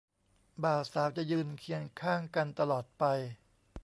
บ่าวสาวจะยืนเคียงข้างกันตลอดไป